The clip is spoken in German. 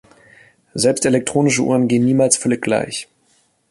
Selbst elektronische Uhren gehen niemals völlig gleich.